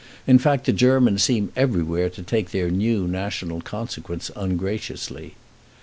In fact, the Germans seem everywhere to take their new national consequence ungraciously.